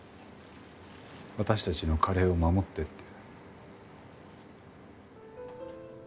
「私たちのカレーを護って」って。